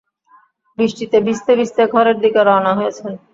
বৃষ্টিতে ভিজতে-ভিজতে ঘরের দিকে রওনা হয়েছেন।